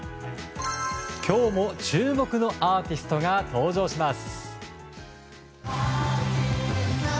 今日も注目のアーティストが登場します。